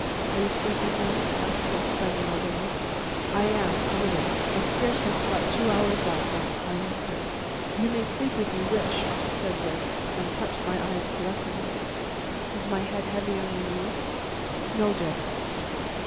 "Are you sleepy, dear?" asked Lys, bending over me. "I am a little; I scarcely slept two hours last night," I answered. "You may sleep, if you wish," said Lys, and touched my eyes caressingly. "Is my head heavy on your knees?" "No, Dick."